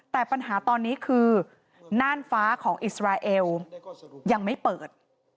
แต่ปัญหาตอนนี้คือน่านฟ้าของอิสราเอลยังไม่เปิด